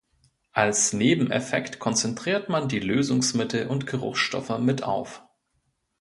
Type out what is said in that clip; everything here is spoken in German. Als Nebeneffekt konzentriert man die Lösungsmittel und Geruchsstoffe mit auf.